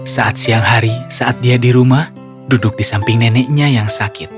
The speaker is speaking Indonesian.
saat siang hari saat dia di rumah duduk di samping neneknya yang sakit